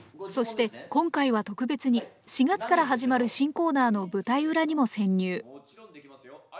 そして今回は特別に４月から始まる新コーナーの舞台裏にも潜入。